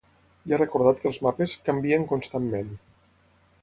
I ha recordat que els mapes ‘canvien constantment’.